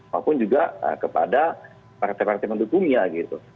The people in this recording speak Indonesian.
walaupun juga kepada partai partai penduduk dunia gitu